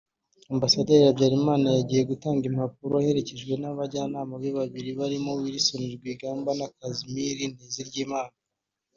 Ambasaderi Habyalimana yagiye gutanga impapuro aherekejwe n’abajyanama be babiri aribo Wilson Rwigamba na Casimir Nteziryimana